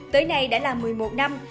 tới nay đã là một mươi một năm